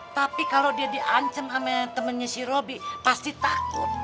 tapi kalau dia di ancam sama temennya si robi pasti takut